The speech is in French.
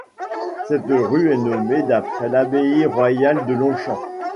Cette rue est nommée d'après l'abbaye royale de Longchamp.